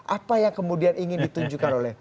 apa yang kemudian ingin ditunjukkan oleh